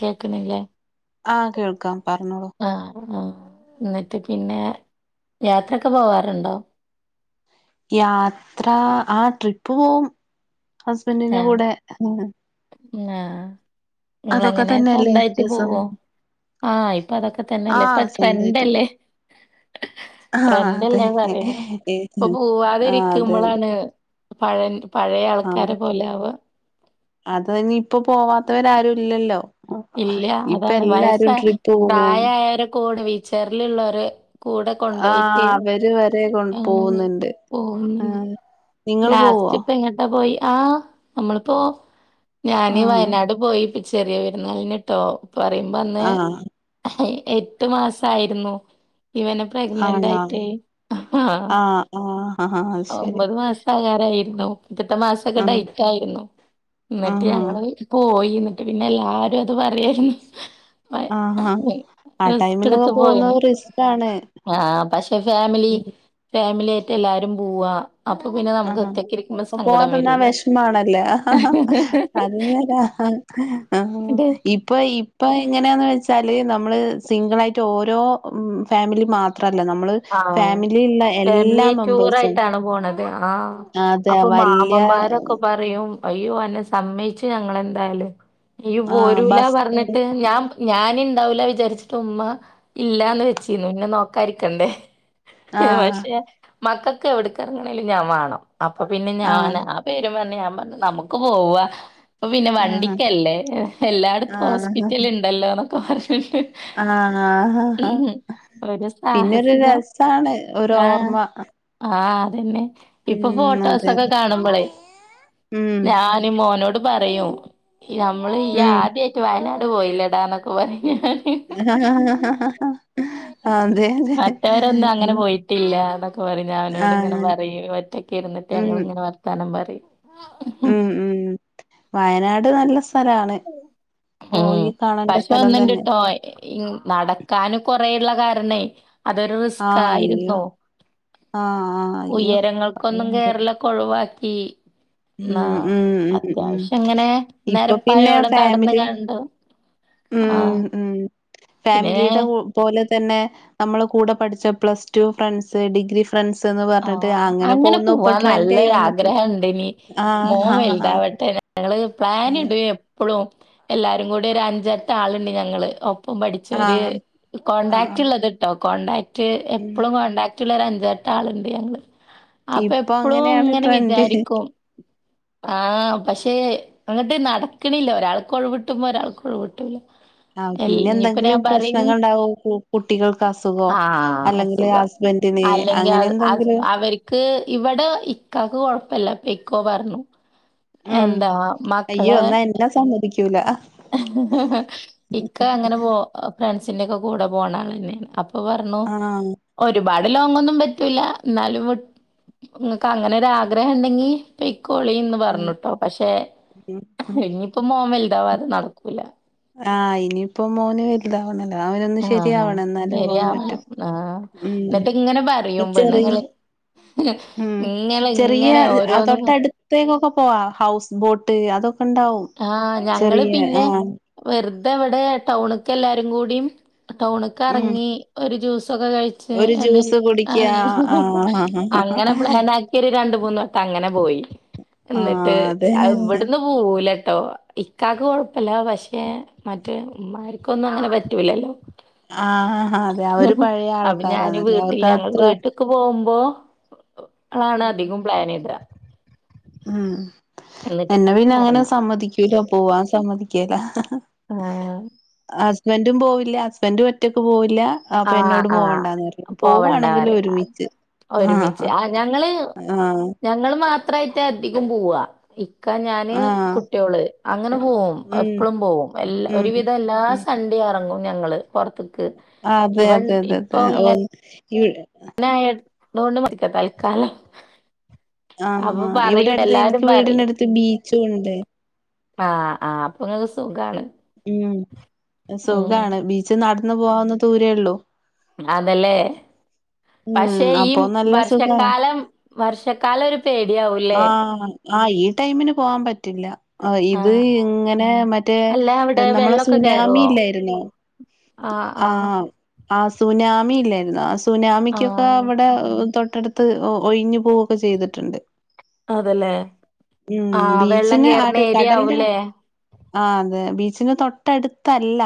കേക്ക്നില്ലേ? ആഹ് കേൾക്കാം പറഞ്ഞോളൂ ന്നട്ട് പിന്നെ യാത്രൊക്കെ പോവാറുണ്ടോ? യാത്ര ആഹ് ട്രിപ്പ് പോവും. ഹസ്ബൻ്റിന്റെ കൂടെ ആഹ് ആഹ് അതൊക്കെ നിങ്ങളെങ്ങനെ തന്നെയല്ലേ സ്വന്തായിട്ട് രസം പോവോ ആഹ് ഇപ്പ അതൊക്കെ തന്നെല്ലേ ഇപ്പൊ ആഹ് സ്വന്തായിട്ട് ട്രൻഡല്ലേ ആഹ് അതെ ട്രെൻഡല്ലേന്ന് പറയാ ആഹ് അതെ ഇപ്പൊ പോവാതെ അതെ ഇരിക്കുമ്പളാണ് പഴൻ പഴേ ആഹ് അതെ ഇനി ഇപ്പൊ പോവാത്തവരാരും ഇല്ലല്ലോ ഇല്ല ഇപ്പ അതാണ് എല്ലാരും ട്രിപ്പ് പോകും പോണ് വീച്ചെയെറിലുള്ളോര് കൂടെ ആഹ് കൊണ്ടുപോയിറ്റ് അവര് വരെ കൊ പോകുന്നുണ്ട് [unintelligible] ആഹ് നിങ്ങള് പോവോ ലാസ്റ്റ് ഇപ്പ എങ്ങട്ടാ പോയെ ആഹ് നമ്മളിപ്പോ ഞാനീ ആഹ് വയനാട് പോയി പി ചെറിയ പെരു [unintelligible] പറയുമ്പോ അന്ന് ആഹ് എട്ടു മാസ ആയിരുന്നു ഇവനെ പ്രഗ്നന്റ് ആണോ ആയിട്ട് ആ ആഹ് ആഹ് ആഹ് ശരി ഒമ്പത് മാസാകാറായി [unintelligible] റ്റത്തെ മാസക്കെ ആഹ് ഡൈറ്റ് ആയിരുന്നു ന്നിട്ട് ആഹ് ഞങ്ങള് പോയി എന്നിട്ട് പിന്നെല്ലാ അത് പറയായിര്ന്നു ആഹ് ആഹ് ആഹ് ടൈമിലൊക്കെ എടുത്ത് പോയിന് പോന്നോര് ഇഷ്ട്ടണ് മിലിയായിട്ട് എല്ലാരും പോവാ അപ്പൊ പിന്നെ നമുക്ക് ആഹ് ആഹ് ഒറ്റക്ക് ഇരിക്കുമ്പോ ഓ സങ്കടം പോവാതെന്താ വരൂലേ വിഷമാണല്ലേ ഹ ഹ അതിനെത ഓ ഇപ്പൊ ഇപ്പൊ എങ്ങനാന്ന് വെച്ച തലേന്ന് നമ്മള് സിംഗിള്ളായിട്ട് ഓരോ ഫാമിലി മാത് മാത്രല്ല നമ്മള് ആഹ് ഫാമിലിയില്ള്ള ഫാമിലി എല്ലാ മെമ്പേഴ്സും ടൂറായിട്ടാണ് പോണത്. ആഹ് അതെ അപ്പൊ വല്യ മാമമരൊക്ക പറയും അയ്യോ അന്നാ സമ്മയിച്ചു ഞങ്ങളെന്തായാലും നീ ആഹ് പോരുല്ല ബസ് പറഞ്ഞിട്ട് ഞാൻ ഞാനി ഇണ്ടാവുല്ല വിചാരിച്ചിട്ട് ഉമ്മ ഇല്ലാന്ന് വെച്ചിന്നു പിന്നെ നോക്കാരി ക്കണ്ടേ ആഹ് പഷേ മക്കൾക്ക് എവിട്ക്ക ഇറങ്ങണേലും ഞാൻ വാണം അപ്പൊ പിന്നെ ഞാന് ആ പേരും പറഞ്ഞ് ഞാ ൻ പറഞ്ഞ് നമുക്ക് പോവാം അപ്പ പിന്നെ ആഹ് വണ്ടിക്കല്ലേ എല്ലായിടത്തും ഹോസ്പിറ്റല്ല് ഉണ്ടല്ലോന്ന് [unintelligible] ആ ഹാ ഹാ ഒരു പിന്നെ ഒരു സാഹസികം രസാണ് ഒരു ഓർമ്മ ആ അത് തന്നെ ഇപ്പൊ ഉം അതെ ഫോട്ടോസൊക്ക അതെ കാണുമ്പോളേ ഉം ഞാന് മോനോട് പറയും നമ്മള് ഈ ഉം ആദ്യവായിട്ട് വയനാട് ഓ ഇല്ലടാ എനിക്ക് വയ്യ അതെ അതെ മറ്റവരൊന്നും അങ്ങനെ പോയിട്ടില്ല എന്നൊക്കെ പറഞ്ഞ് അവനോട് ഇങ്ങനെ ആഹ് പറയും ഒറ്റക്ക് ഇരുന്നിട്ട് ഉം ഞങ്ങള് ഇങ്ങനെ വർത്താനം പറ ഉം ഉം വയനാട് നല്ല സ്ഥലാണ് ഉം പോയി കാണേണ്ട പഷേ സ്ഥലം തന്നെ ഒന്ന്‌ണ്ട്ട്ടോ ഇ നടക്കാന് കൊ റേയുള്ള കാരണേ അതൊരു ആഹ് അയ്യോ റിസ്കായിരുന്നോ ആഹ് ആഹ് അയ്യോ ഉയരങ്ങൾക്കൊന്നും കേരളെക്കെ ഒഴിവാക്കി ഈ ഉം ഉം ഉം ഉം ഇങ്ങനെ ഇപ്പം പിന്നെ നെരപ്പായോടെ നടന്ന് ഫാമിലി കണ്ടു. ആ ഉം ഉം പിന്നെ ഫാമിലിടെ പോലെ തന്നെ നമ്മള് കൂടെ പഠിച്ച plus two friends degree friends ന്ന് ആ പറഞ്ഞിട്ട് അങ്ങനെ പോകുന്നു ഇപ്പ പോവാൻ ട്രെൻഡ് ആയി നല്ലൊരു വന്നിട്ട് ആഗ്രഹണ്ട് ഇനി മോൻ ആഹ് ആഹ് ആഹ് വൽതാവട്ടെ ഞങ്ങള് പ്ലാനിടെ എപ്പളും എല്ലാരും കൂടി ഒരു അഞ്ചെട്ട് ആളുണ്ട് ഞങ്ങള് ഒ ഒപ്പം പഠിച്ചവരു ആഹ് കോടാക്ട് ആഹ് ഉള്ളത് കേട്ടോ കോൺണ്ടാക്റ്റ് ഉം എപ്പോഴും കോണ്ടാക്ട് റ്റുള്ള അഞ്ചട്ട് ആൾ ഉണ്ട് ഞങ്ങള് അപ്പൊ ഇപ്പൊ എപ്പളും അങ്ങനെയാണ് ഇങ്ങനെ ട്രെൻഡ് വിചാരിക്കും ആ പക്ഷേ പേ അങ്ങട്ട് നടക്കണില്ല ഒരാൾക്ക് ഒഴിവി വിട്ടുമ്പോ ഒരാൾക്ക് ഒഴി വിട്ടൂല്ല ആ പിന്നെ എന്തെങ്കിലും പ്രശ്നങ്ങൾ ഉണ്ടാവോ കുട്ടികൾക്ക് അസുഖോ ആഹ് അല്ലെങ്കില് ഹസ്ബന്റിന് അങ്ങനെ എന്തെ അവർക്ക് ഇവിടെ ഇക്കക്ക് കെ ഴപ്പല്ല പെയ്ക്കോ പറഞ്ഞു. ഉം എന്താ അയ്യോ മക്കളെ എന്നാ എന്നെ സമ്മതിക്കൂല ഇക്ക അങ്ങനെ പോ ഒക്കെ കൂടെ പോകാ [unintelligible] ഇ പറഞ്ഞു ആഹ് ഒരുപാട് ലോങ്ങൊന്നും പറ്റൂല്ല എന്നാലുംക്ക് അങ്ങനെരാഗ്രഹം ഉണ്ടെങ്കി ളിന്ന് ഉം പറഞ്ഞിട്ടോ. പക്ഷെ ഉം ഉം ഇഴഞ്ഞപ്പോ മോ ഇതാവാതെ നടക്കൂല. ആഹ് ഇനിയിപ്പോ മോന് വരിതാവുന്നല്ലോ. ആഹ ആ ശരിയാ ആഹ ഉം എന്നിട്ട് ഇങ്ങനെ പറയും ചെറിയ പെണ്ണുങ്ങള് ഉം ഇങ്ങെ ഇങ്ങനെ ഓരോന്നും പറ ഇ ഹൗസ് ബോട്ട് അതൊക്കെ ഇണ്ടാവും ആഹ് ഞങ്ങള് ചെറിയ ആ പിന്നെ വെറുതെ എവിടെ ടൗണക്കെ എല്ലാരും കൂടിയും ടൗണക്ക് ഉം ഇറങ്ങി ഒരു ജൂസ് കഴ്ച്ച് ഒരു എന്തേനി ജ്യൂസ് ഹ കുടിക്ക ഹ അങ്ങനെ ആഹ് പ്ലാനിക്കി രണ്ടു [unintelligible] അങ്ങനെ പോയി. എന്നിട്ട് ആഹ് അതെ അവിടുന്ന് പോവുലെ ട്ടോ ഇക്കാക്ക് കൊഴ്പ്പില്ല പക്ഷെ മറ്റേ ഉമ്മാര്ക്കൊന്നു അങ്ങനെ പറ്റൂലല്ലോ ആ അതെ അവര് പഴയ അപ്പൊ ഞാന് ആൾക്കാരാന്നല്ലോ വീട്ടില് അവർക്കതത്ര ആളാണ് അതികോം പ്ലാനിട ഉം എന്നിട്ട് എന്നെ പിന്നങ്ങനെ ഇറങ്ങും സമ്മതിക്കൂല പോവാൻ സമ്മതിക്കേല ആ ഹസ്ബന്റും പോവില്ല ഹസ്ബന്റും ഒറ്റക്ക് പോവില്ല അപ്പൊ ആ എന്നോടും ആ പോവണ്ടാന്ന് പറയും പോവണ്ട പോവാണെങ്കിലും [unintelligible] ഒരുമിച്ച് ഒരുമിച്ച് ആഹ് ആ ഞങ്ങള് ആഹ് ഞങ്ങള് മത അത്രായിട്ട് അധികോം പോവാ ഇക്ക ഞാന് ആഹ് കുട്ട്യോള്, അങ്ങനെ പോവും ഉം എപ്പളും പോവും എല്ലാ ഉം ഒരുവിധം എല്ലാ ഉം സണ്ടേ ഇറങ്ങും. ഞങ്ങള് പൊറ്ത്ക്ക് ക്ക് അതെ അതെ അതെ അതെ ഒന് ഇവിടെ പിന [unintelligible] തൽക്കാലം ആ അപ്പൊ ഇവിടെ പറയൂട്ട അടുത് എല്ലാരും എനിക്ക് വീടിന്റടുത്ത് ബീച്ചുണ്ട്. ആ ആ അപ്പൊ നിങ്ങക്ക് സുഖാണ് ഉം ഉം സുഖാണ് ബീച്ച്ന്ന ന്ന് പോവാന്ന ദൂരേ ഉള്ളൂ. അതല്ലേ ഉം പക്ഷെ ഈ അപ്പൊ നല്ല സുഖാണ്. വർഷക്കാലം വർഷക്കാലം ഒരു ആ പേടിയാവൂല്ലേ ആ ഈ ടൈമിന് പോവാ പറ്റില്ല ആ ഇത് ആഹ് ഇങ്ങനെ മറ്റേ അല്ല അവിടെ നമ്മളെ വെള്ളൊക്കെ സുനാമി കേറുവോ? ഇല്ലായ്ര്ന്നോ ആഹ് ആ ആഹ് ആ സുനാ മി ഇല്ലാര്ന്നോ സുനാ യ്കൊകെ ആഹ് അവിടെ തൊട്ടടുത് ത്ത് ഒയ്ഞ്ഞു പോവൊക്കെ ചെയ്തിട്ടുണ്ട്. അതല്ലേ ഉം ആ വെള്ളം ബീച്ചിന് കേറുന്ന അട് ഏരിയ ആവൂല്ലേ. ഛന് തൊട്ടടുത്തല്ല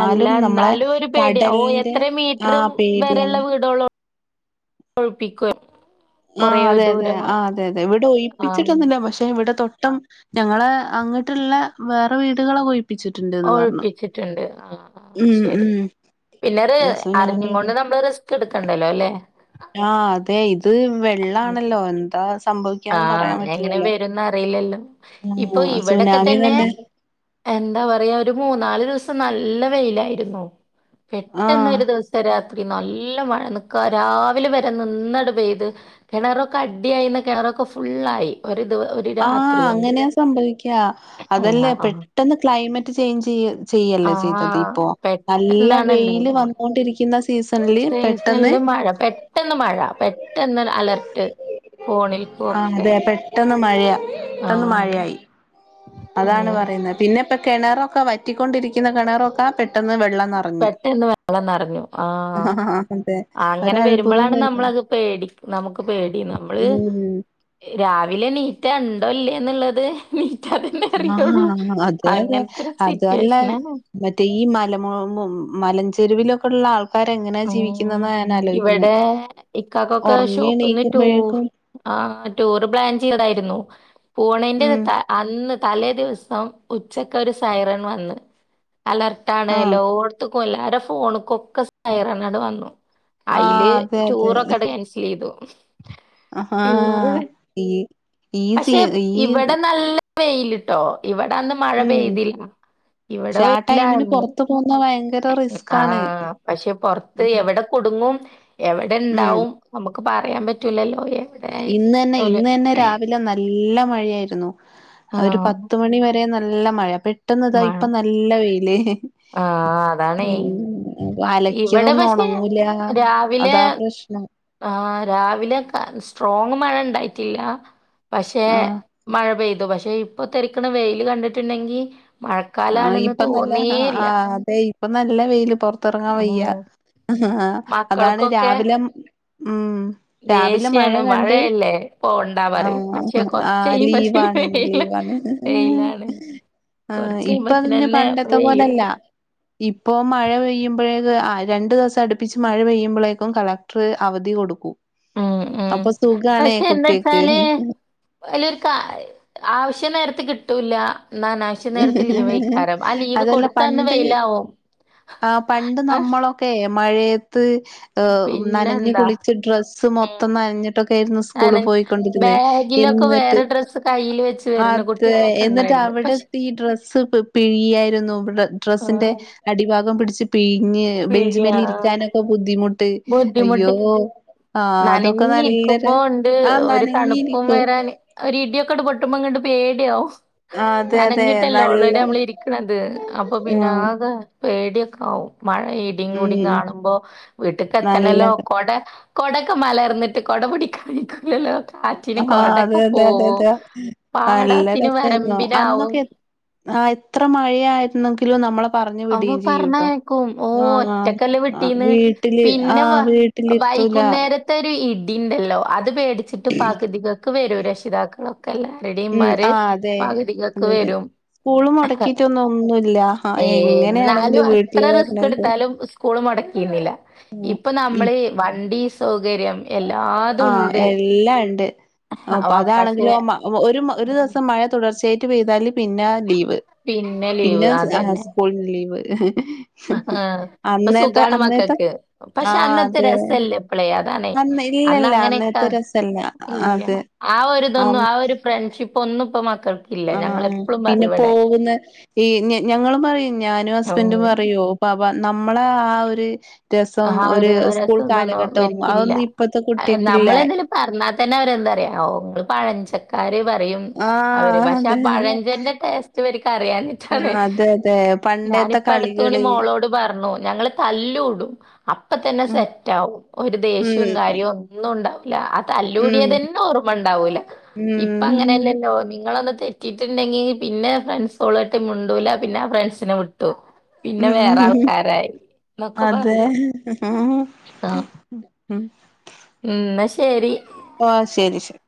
അല്ല നമ്മളെ എന്നാലു ഒരു പേടി ഓ കടലിന്റെ എത്ര മീറ്റർ ആഹ് വരെ പേടിയാണ് ഉള്ള വീടൊളെ കൊഴപിക്കാണ് ആ അതെ അതെ ആ അതെ അതെ ഇവിടെ ആഹ് ഒയ്പ്പിച്ചിട്ടൊന്നില്ല പക്ഷെ ഇവിടെ തൊ ടം ഞങ്ങള് അങ്ങ്ട്ടെളളവേറെ വീടുകള് ഒയ് ഒഴിപ്പിച്ചിട്ടുണ്ട്. ആ ഉം ശരി ഉം പിന്നെ അറിഞ്ഞും കൊണ്ട് നമ്മള് റിസ്ക് എടുക്കണ്ടല്ലോ. അല്ലേ? ആ അതെ ഇത് വെള്ളാണല്ലോ? എന്താ ആ സംഭവിക്കാന്ന് പറയാൻ എങ്ങനെ പറ്റില്ലല്ലോ വരുന്ന് അറിയില്ലല്ലോ ഇപ്പൊ ആഹ് ഇവിടൊക്കെ സുനാമി തന്നെ എന്താ പറയാ ഒരു മൂന്നാല് ദിവസം ഇപ്പൊ നല്ല വെയിലായിരുന്നു. പെട്ടെന്ന് ആഹ് ഒരു ദിവസം രാ നല്ല മഴ നിക്ക രാവിലെ വരെ നിന്ന്ട് പെയ്ത് കിണറൊക്കെ അടിയായി കിണറൊ പ്പൊ ഫുള്ളായി ഒരു ദിവ ഒരു ആ രാത്രി കൊണ്ട് അങ്ങനെയാ സംഭവിക്കാ. അതല്ലേ ആഹ് ആഹ് പെട്ടന്ന് ക്ലൈമറ്റ് ചേഞ്ച് ചെയ്യല്ലേ ചെയ്തത് ആഹ് ഇപ്പൊ. നല്ല പെട്ടെന്നാണ് വെയില് ഉണ്ടായത് മഴ വന്നൊണ്ടിരിക്കുന്ന സീസണില് പെട്ടന്ന് സീസണില് മഴ പെട്ടെന്ന് മഴ പെട്ടെന്ന് അലർട്ട് ഫോണിൽക്കും ആഹ് ഒക്കെ അതെ പെട്ടെന്ന് മഴയാ പെട്ടെന്ന് ആഹ് മഴയായി. അതാണ് അങ്ങനെ പറയുന്നത് പിന്നെ ഇപ്പം കെണറൊ ഒക്കെ വറ്റിക്കൊണ്ടിരിക്കുന്ന കെ ണറൊക്കെ പെട്ടെന്ന് വെള്ളം നിറഞ്ഞ് പെട്ടെന്ന് വെള്ളം നറഞ്ഞു. ആഹ് ആ അതെ അങ്ങനെ ഒരത്ഭുതം വരുമ്പളാണ് തന്നെ നമ്മളത് പേടി നമുക്ക് പേടി നമ്മള് ഉം രാവിലെ ണി ക്ക്യഉണ്ടോ ഇല്ലേന്ന്ള്ളത് ആഹ് അതെ അതെ ഒരു അതല്ല സിറ്റുവേഷനാണ്. മെറ്റേ ഈ മല മു മലഞ്ചെരുവിലൊക്കെ ഉള്ള ആൾ ഉം ഇവടെ ഇക്കാക്കൊക്കെ ഉറങ്ങി ഷോപ്പ്ന്ന് ടൂ എണീക്കുമ്പോഴേക്കും ആഹ് ടൂറ് പ്ലാൻ ചെയ്തായിരുന്നു. പോണേന്റെ ഉം ത അന്ന് തലേ ദിവസം ഉച്ചക്ക് ഒരു സൈറൺ വന്ന്. അലർട് ആണല്ലോ ആ എല്ലോട്ത്തും. പ്പൊ എല്ലാരെ ഫോണിക്കൊക്കെസ് കയറനാട് വന്നു. ആ അയ്ല് ടൂറൊക്കെട് ക്യേൻസലെയ്തു. അഹ് ആഹ് ഈ ഈ സീ ഈ ട്ടോ ഇവി ഉം പക്ഷെ ആ ടൈമിന് വെയിലായിരുന്നു. പൊറത്തു പോകുന്ന ഭയങ്കര റിസ്ക്കാണ്. ആഹ് പക്ഷെ പൊറത്ത് എവിടെ കുടുങ്ങും എവടെ ഉം ഇണ്ടാവും നമുക്ക് പറയാൻ പറ്റൂലല്ലോ എവിടെ ഇന്ന് തന്നെ ഓല് ഇന്ന് തന്നെ രാവിലെ നല്ല മഴയായിരുന്നു. ഒരു ആഹ് പത്ത് മണി വരെയും നൽ നല്ല മഴയാ പെട്ട് പെട്ടെന്ന് ഇതാ മഴ ഇപ്പ നല്ല വെയില് ആഹ് അതാണേ ഉം ഇവിടെ അലക്കിയതൊന്നും പക്ഷെ ഉണങ്ങൂല രാവിലെ അതാ പ്രശ്നം ആഹ് രാവിലെ ക സ്ട്രോങ് മഴ ഇണ്ടായിട്ടില്ല പക്ഷെ ആഹ് മഴ പെയ്തു പക്ഷെ ഇപ്പൊ തിളക്കുന്ന വെയില് കണ്ടിട്ടുണ്ടെങ്കിൽ ആ ഇപ്പ നല്ല ആ ആ അതെ ഇപ്പൊ നല്ല വെയില് പൊറത്തിറങ്ങാൻ ഉം വയ്യ ആ അതാണ് മക്കൾക്കൊക്കെ രാവിലെ ഉം രാവിലെ മഴ ദേഷ്യാണ് കണ്ട് മഴയല്ലേ ഇപ്പൊ ഉണ്ടാ പറയും ആഹ് പക്ഷെ കൊറച്ച് ആഹ് കഴിയുമ്പ ലീവാണ് വെയില ലീവാണ് വെയിലാണ് കൊറച്ച് കഴിയുമ്പ പിന്നെ പണ്ടത്തെപോലെല്ല ഇപ്പോ മഴ പെയ്യു ഴേ രണ്ടു ദിവസം അടുപ്പിച്ച് മഴ പെയ്യുമ്പോഴേക്കും കളക്ടർ അവധി കൊടുക്കും ഉം ഉം അപ്പൊ സുഖാണേ പക്ഷെ എന്താ കുട്ടിയക്ക് വച്ചാല് വലിയൊരു കാ ആവശ്യ നേരത്ത് കിട്ടൂല്ല എന്നാ അനാവശ്യ നേരത്ത് ലീവയിക്കാരാം ആ ലീവ് അതല്ല കൊടുത്തന്ന് പണ്ട് വെയിലാവും ആ പണ്ട് അഹ് നമ്മളൊക്കെ മഴയത്ത് നനഞ്ഞു പിന്നെന്താ കുളിച്ചു ഡ്രസ് മൊത്തം ഉം നഞ്ഞിട്ടൊക്കെയായിരുന്നു സ്കൂളി നന പോയിക്കൊണ്ടിരുന്നേ ബാഗിലൊക്കെ എന്നിട്ട് വേറെ ഡ്രസ്സ് കയ്യില് വെച്ച് വരുന്ന അത് കുട്ടികളൊക്കെ എന്നിട്ട് ഇണ്ടായിരുന്നു അവിടെ പക്ഷെ എത്തി ഡ്രസ്സ്‌ പിഴിയ ഇവിടെ [unintelligible] ഡ്രസ്സിന്റെ ആഹ് ഭാഗം പിടിച്ചു പിഴി ഞ്ഞ് പിഴയാ ബെഞ്ചിമെലെ ഇരിക്കാനൊക്കെ ബുദ്ധിമുട്ട് അയ്യോ ബുദ്ധിമുട്ട് ആ അതൊക്കെ നല്ലൊരു നനഞ്ഞിരിക്കുമ്പോ ഉണ്ട് ആ ഒരു നനഞ്ഞിരിക്കും പൊട്ടുമ്പം കണ്ട് പേടിയാവും ആഹ് അതെ അതെ നനഞ്ഞിട്ടല്ലോ നല്ല ഓൾറെഡി നമ്മള് ഇരിക്കണത് അപ്പൊ പിന്നെ ആഹ് ആത് പേടിയക്കാവും മഴ ഉം ഇടികൂടി കാണുമ്പോ വീട്ടീക്ക് നല്ല എത്തണല്ലോ കൊട കോടോക്കെ മലർന്നിട്ട് കോട പിടിക്കാന് ആ അതെ അതെ അതെ അതെ നല്ല പാടത്തിന് രസായിരുന്നു വരമ്പിലാവും അന്നൊക്കെ ആ എത്ര മഴയായിരുന്നു നമ്മെളെ അമ്മ പറഞ്ഞയക്കും ഓ ആഹ് ഒറ്റക്കല്ലേ ആ വീട്ടീന്ന് വീട്ടില് ആ പിന്നെ വീട്ടിലിരുത്തൂല വൈകുന്നേരത്തെ ഒരു ഇടിണ്ടല്ലോ അത് പേടിച്ചിട്ട് പകതി തു വരോ രക്ഷിതാക്കൾ ഉം ആ അതെ വരും സ്കൂളു മുടക്കിട്ടൊന്നും ഒന്നും ഇല്ല ആ എന്നാലും എങ്ങനെയാണെങ്കിലും അത്ര വീട്ടില് റിസ്ക് പറഞ്ഞയക്കും എടുത്താലും സ്കൂളും മടക്കിയിര്ന്നില്ല ഇപ്പൊ നമ്മള് വണ്ടി സ് സൗകര്യം എല്ലാതും ആഹ് ഉണ്ട് എല്ലാം ഇണ്ട് അപ് അവ പക്ഷെ അതാണെങ്കിലോ മ ഒരു ഒരു ദിവസത്തെ മഴ തുടർച്ചയായി പെയ്താല് പിന്നാ ലീവ് പ് പിന്നെ ലീവ് സ് അ അതന്നെ ഉസ്കൂള് ലീവ് ഇപ്പൊ അന്നത്തെ സുഖാണ് അന്നത്തെ മക്കക്ക് ആ പക്ഷെ അന്നത്തെ അതെ രസല്ല ഇപ്പളെ അതാണെ അന്ന് ഇല്ലല്ല അങ്ങനെയെക്കാ അന്നത്തെ രസല്ല ഇല്ല അതെ ആ ഒരിതൊന്നും ആ ഒരു ഫ്രണ്ട്ഷി ഇപ്പൊ ഒന്ന് ഇപ്പ ആന്നാന്ന് പിന്നെ പോകുന്ന ഈ ഞ ഞങ്ങളും പറയും ഞാനും ഉം ഹസ്ബൻ്റും പറയോ പാ നമ്മളെ ആ ഒരു രസം ആ ഒരു സ്കൂൾ രസൊന്നും കാലഘട്ടവും അവരിക്കില്ല അതൊന്നും ഇപ്പത്തെ കുട്ടിയക്കില്ല നമ്മളതില് പറഞ്ഞാൽ തന്നെ അവരെന്താ പറയോ പഴഞ്ച കാര്യം പറയും അവര് ആഹ് പക്ഷെ ആ അതെ പഴഞ്ചറിന്റെ ടേസ്റ്റ് ഇവര്ക്ക് അറിയാഞ്ഞിട്ടാണ് അതെ അതെ അതെ പണ്ടത്തെ ഞാനിപ്പ അടുത്തപണി കളികള് മോളോട് പറഞ്ഞു ഞങ്ങള് തല്ലൂടും അപ്പ തന്നെ ഉം സെറ്റ് ആവും ഒരു ദേഷ്യവും കാര്യവും ഒന്നും ണ്ടാവൂല തല്ലൂടിയ ഉം തന്നെ ഓർമ്മ ഉണ്ടാവൂല ഇപ്പ ഉം അങ്ങനെയല്ലല്ലോ നിങ്ങളന്ന തെറ്റിയിട്ടുണ്ടെങ്കി പിന്നെ ഫ്രണ്ട്സോളോട്ട് മിണ്ടൂല പിന്നെ ആ ഫ്രണ്ട്സിനെ വിട്ടൊം പിന്നെ വേറെ ഉം ആൾക്കാരായി എന്നൊക്കെ പറഞ്ഞു ആ ഉം, എന്നാ ശരി ഓ ശരി ശരി